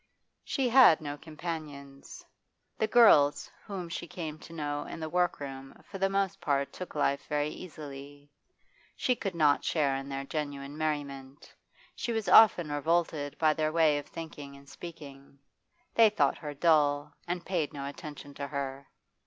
She had no companions. The girls whom she came to know in the workroom for the most part took life very easily; she could not share in their genuine merriment; she was often revolted by their way of thinking and speaking. They thought her dull; and paid no attention to her.